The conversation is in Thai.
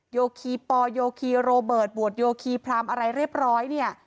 โยคีพโยคีโรเบิร์ตโยคีพราเอมอะไรเรียบร้อย